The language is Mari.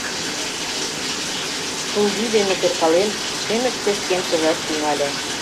Тулгӱ дене перкален, шеныш сескем шыжаш тӱҥале.